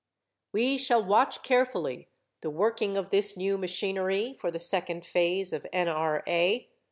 We shall watch carefully the working of this new machinery for the second phase of N.R.A.